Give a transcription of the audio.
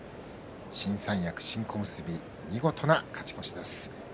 新三役新小結での見事な下勝ち越しです。